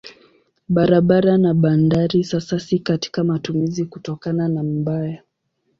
Barabara na bandari sasa si katika matumizi kutokana na mbaya.